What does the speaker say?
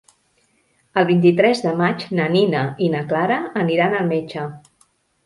El vint-i-tres de maig na Nina i na Clara aniran al metge.